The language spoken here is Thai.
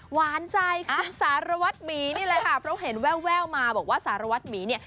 หวานใจคุณสารวัตรหมีนี่แหละค่ะเพราะเห็นแววมาบอกว่าสารวัตรหมีเนี่ย